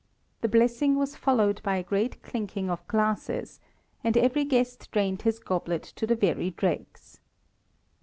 The blessing was followed by a great clinking of glasses, and every guest drained his goblet to the very dregs.